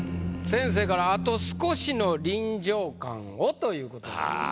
先生から「あと少しの臨場感を！」という事でございます。